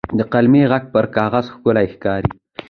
د قلمي ږغ پر کاغذ ښکلی ښکاري.